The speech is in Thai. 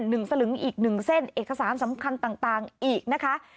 หนึ่งสลึงอีกหนึ่งเส้นเอกสารสำคัญต่างต่างอีกนะคะ